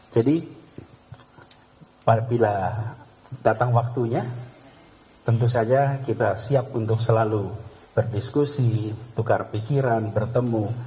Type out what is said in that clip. jadi bila datang waktunya tentu saja kita siap untuk selalu berdiskusi tukar pikiran bertemu